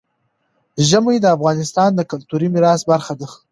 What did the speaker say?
ژمی د افغانستان د کلتوري میراث برخه ده.